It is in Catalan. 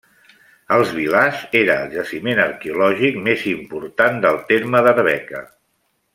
Els Vilars era el jaciment arqueològic més important del terme d'Arbeca.